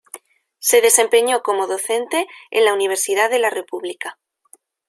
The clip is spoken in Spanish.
Se desempeñó como docente en la Universidad de la República..